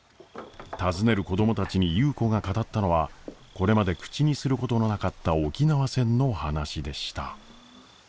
尋ねる子供たちに優子が語ったのはこれまで口にすることのなかった沖縄戦の話でした。